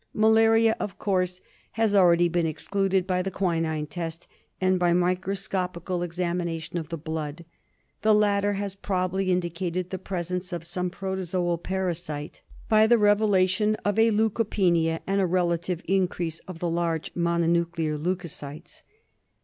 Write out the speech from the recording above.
Malaria, of course, has already been excluded by the quinine test and by microscopical examination of the blood. The latter has probably indicated the presence of some protozoal infection by the revelation of a leucopenia and a relative increase of the large mono nuclear leucocytes.